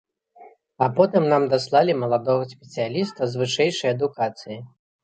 А потым нам даслалі маладога спецыяліста з вышэйшай адукацыяй.